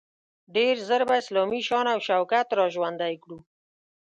ډیر ژر به اسلامي شان او شوکت را ژوندی کړو.